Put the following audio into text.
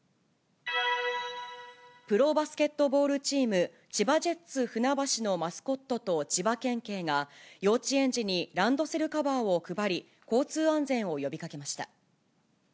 プロバスケットボールチーム、千葉ジェッツふなばしのマスコットと千葉県警が、幼稚園児にランドセルカバーを配り、交通安全を呼びかけました。